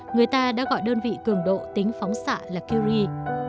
người ta đã gọi đơn vị cường độ tính phóng xạ là kiury